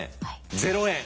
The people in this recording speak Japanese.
０円。